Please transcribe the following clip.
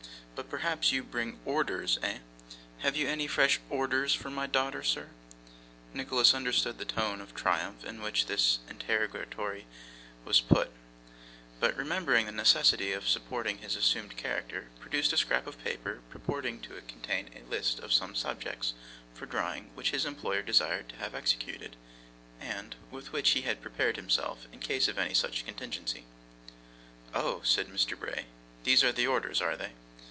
But perhaps you bring ORDERS, eh? Have you any fresh ORDERS for my daughter, sir?' Nicholas understood the tone of triumph in which this interrogatory was put; but remembering the necessity of supporting his assumed character, produced a scrap of paper purporting to contain a list of some subjects for drawings which his employer desired to have executed; and with which he had prepared himself in case of any such contingency. 'Oh!' said Mr. Bray. 'These are the orders, are they?